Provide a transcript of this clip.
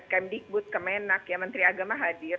kemdekbu kemenak menteri agama hadir